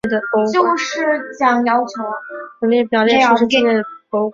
本列表列出中华人民共和国天津市境内的博物馆。